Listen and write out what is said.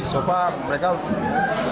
so far mereka belum memberikan kepada kpk